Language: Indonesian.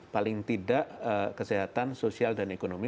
paling tidak kesehatan sosial dan ekonomi